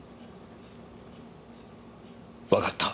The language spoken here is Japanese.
わかった。